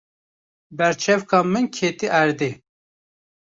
Berçavka min kete erdê.